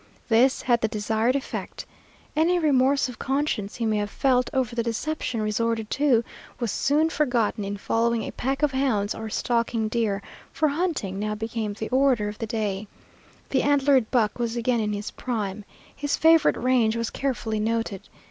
This had the desired effect. Any remorse of conscience he may have felt over the deception resorted to was soon forgotten in following a pack of hounds or stalking deer, for hunting now became the order of the day. The antlered buck was again in his prime. His favorite range was carefully noted.